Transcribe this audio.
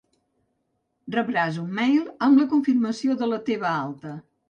Rebràs un mail amb la confirmació de la teva alta.